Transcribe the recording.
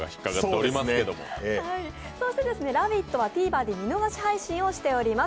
「ラヴィット！」はＴＶｅｒで見逃し配信をしております。